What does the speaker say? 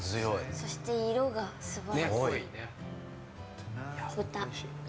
そして色が素晴らしい。